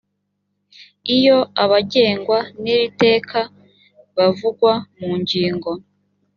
iyo abagengwa n iri teka bavugwa mu ngingo